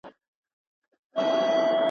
حیا به تللې شرم به هېر وي `